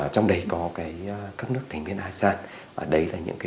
trong đấy có các nước thành viên asean